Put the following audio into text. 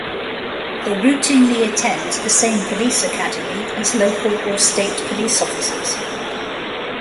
They routinely attend the same police academy as local or state police officers.